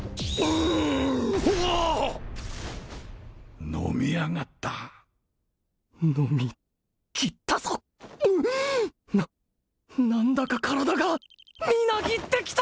うわあ飲みやがった飲みきったぞな何だか体がみなぎってきた！